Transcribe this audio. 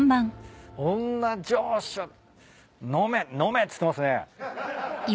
「女城主」飲め飲めっつってますね。